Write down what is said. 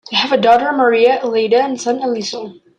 They have a daughter, Maria Eladia, and a son, Eliseo.